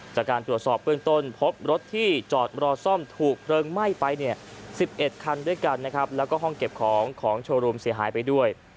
จากการตรวจสอบเบื้องต้นพบรถที่จอดรอซ่อมถูกเพลิงไหม้ไปเนี่ย๑๑คันด้วยกันนะครับแล้วก็ห้องเก็บของของโชว์รูมเสียหายไปด้วย